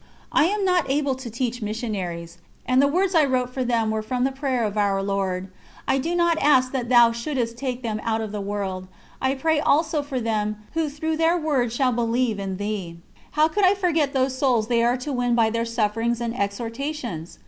I am not able to teach missionaries, and the words I wrote for them were from the prayer of Our Lord: "I do not ask that Thou shouldst take them out of the world; I pray also for them who through their word shall believe in Thee." How could I forget those souls they are to win by their sufferings and exhortations?